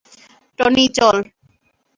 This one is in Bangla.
টনি, চল!